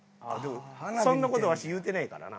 そんな事わし言うてないからな。